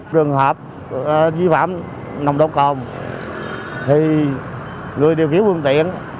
trường hợp vi phạm nồng độ cồn thì người điều khiển phương tiện